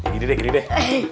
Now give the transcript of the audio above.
gini deh gini deh